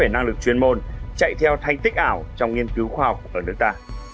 năng lực chuyên môn chạy theo thanh tích ảo trong nghiên cứu khoa học ở nước ta